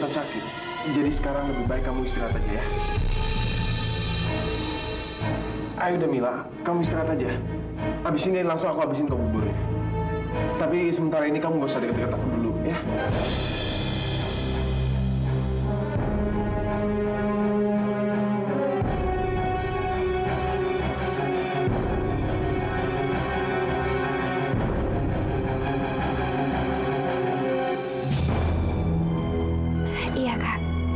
asalkan dindi membawa cantik terpare ke sini ma